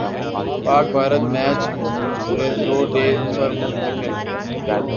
پاک Bharat match reserve day پر منتقل